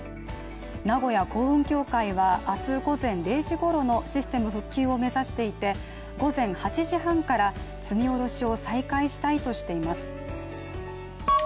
名古屋港運協会は明日午前０時ごろのシステム復旧を目指していて午前８時半から積み卸しを再開したいとしています。